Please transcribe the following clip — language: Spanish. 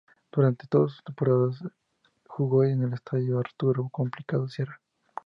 Durante todas sus temporadas jugó en el Estadio Arturo Cumplido Sierra.